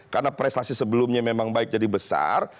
karena prestasi sebelumnya memang baik jadi besar